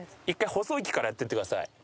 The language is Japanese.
細い木からやっていってください。